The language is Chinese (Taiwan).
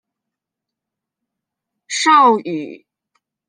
邵語